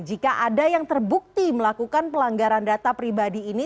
jika ada yang terbukti melakukan pelanggaran data pribadi ini